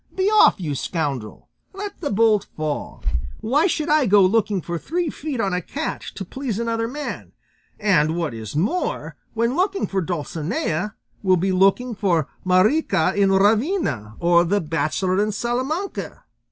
Be off, you scoundrel! Let the bolt fall. Why should I go looking for three feet on a cat, to please another man; and what is more, when looking for Dulcinea will be looking for Marica in Ravena, or the bachelor in Salamanca?